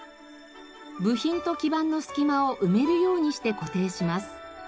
部品と基板の隙間を埋めるようにして固定します。